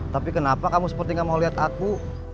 tapi kenapa kamu sepertinya mau lihat aku